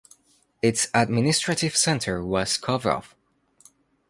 Its administrative centre was Kovrov.